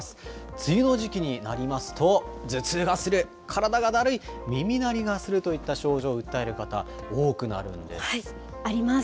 梅雨の時期になりますと、頭痛がする、体がだるい、耳鳴りがするといった症状を訴える方、あります。